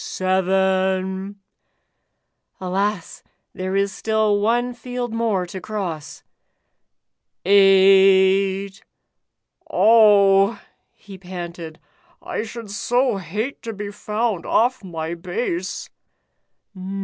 Seven !'' Alas, there is still one field more to cross. ''Eight!'' "Oh," he panted, "I should so hate to be found ' off my base.'